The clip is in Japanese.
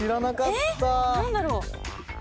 何だろう？